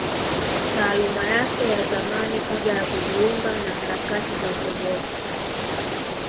Taaluma yake ya zamani kabla ya kujiunga na harakati za ukombozi